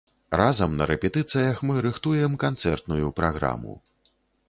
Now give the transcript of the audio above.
Разам на рэпетыцыях мы рыхтуем канцэртную праграму.